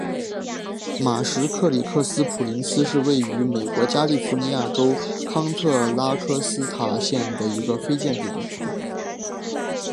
马什克里克斯普林斯是位于美国加利福尼亚州康特拉科斯塔县的一个非建制地区。